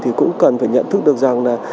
thì cũng cần phải nhận thức được rằng là